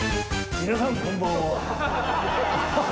皆さんこんばんは。